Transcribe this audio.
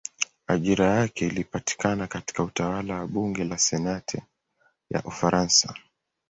Ajira yake ilipatikana katika utawala wa bunge la senati ya Ufaransa.